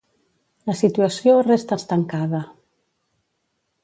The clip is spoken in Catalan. La situació resta estancada.